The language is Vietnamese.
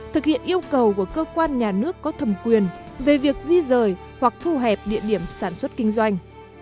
thực hiện yêu cầu của cơ quan nhà nước có thẩm quyền về việc di rời hoặc thu hẹp địa điểm sản xuất kinh doanh